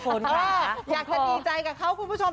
คุณค่ะอยากจะดีใจกับเค้าคุณผู้ชม